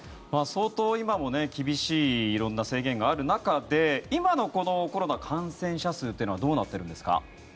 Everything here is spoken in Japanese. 相当今も厳しい色んな制限がある中で今のコロナ感染者数はどうなっているんですか。